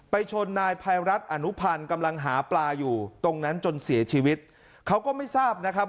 ชนนายภัยรัฐอนุพันธ์กำลังหาปลาอยู่ตรงนั้นจนเสียชีวิตเขาก็ไม่ทราบนะครับ